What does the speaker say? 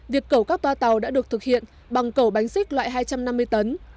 việc cẩu các toa tàu đã được thực hiện bằng cẩu bánh xích loại hai trăm năm mươi tấn